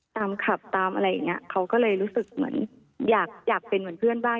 ขับตามอะไรอย่างเงี้ยเขาก็เลยรู้สึกเหมือนอยากอยากเป็นเหมือนเพื่อนบ้าน